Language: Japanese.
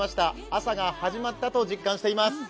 朝が始まったと実感しています。